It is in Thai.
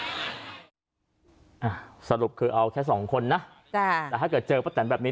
อ่าสรุปคือเอาแค่สองคนนะจ้ะแต่ถ้าเกิดเจอป้าแตนแบบนี้